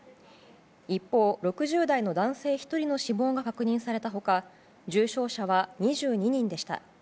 一方、６０代の男性１人の死亡が確認された他重症者は２２人でした。